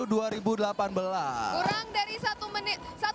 kurang dari satu menit